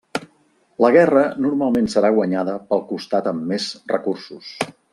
La guerra normalment serà guanyada pel costat amb més recursos.